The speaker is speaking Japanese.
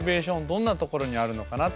どんなところにあるのかな。